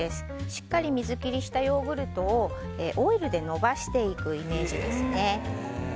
しっかり水切りしたヨーグルトをオイルで伸ばしていくイメージですね。